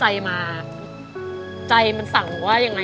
ยอมจริง